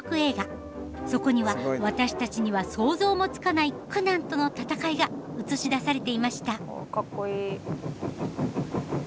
そこには私たちには想像もつかない苦難との戦いが映し出されていました。